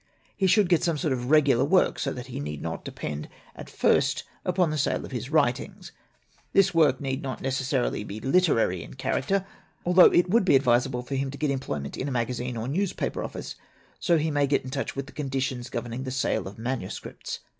He should get some sort of regular work so that he need not depend at first upon the sale of his writings. This work need not necessarily be literary in character, al though it would be advisable for him to get em ployment in a magazine or newspaper office, so that he may get in touch with the conditions governing the sale of manuscripts.